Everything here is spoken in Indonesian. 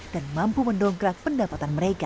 dan mampu mendongkrak pendapatan mereka